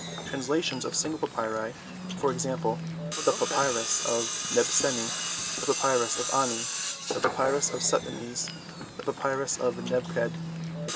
Trans lations of single papyri, e.g., the Papyrus of Nebseni, the Papyrus of Ani, the Papyrus of Sutimes, the Papyrus of Neb qed, etc.